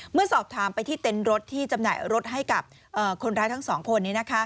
เมื่อสอบถามไปที่เต็นต์รถที่จำหน่ายรถให้กับคนร้ายทั้งสองคนนี้